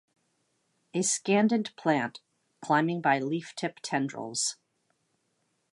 A scandent plant, climbing by leaftip tendrils.